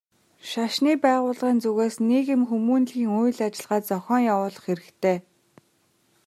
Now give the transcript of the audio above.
Шашны байгууллагын зүгээс нийгэм хүмүүнлэгийн үйл ажиллагаа зохион явуулах хэрэгтэй.